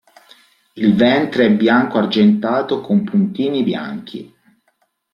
Il ventre è bianco argentato con puntini bianchi.